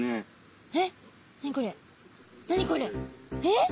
えっ！？